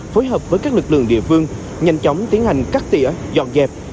phối hợp với các lực lượng địa phương nhanh chóng tiến hành cắt tỉa dọn dẹp